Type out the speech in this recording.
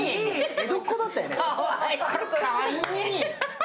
江戸っ子だったよね。